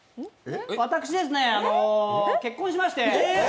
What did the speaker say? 私ですね結婚しまして。